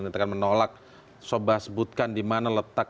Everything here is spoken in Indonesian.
sobat sebutkan di mana letak melanggar tidak sesuai dengan keinginan